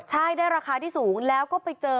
ใช่ได้ราคาที่สูงแล้วก็ไปเจอ